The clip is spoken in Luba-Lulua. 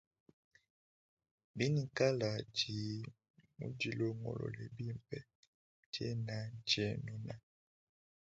Bingikala tshinyi mudilongolole bimpe, tshena ntshienuna.